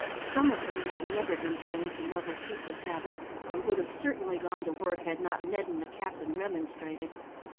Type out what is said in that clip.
Some of them had never been trained to love or keep the Sabbath, and would have certainly gone to work had not Ned and the captain remonstrated.